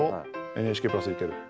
「ＮＨＫプラス」いける。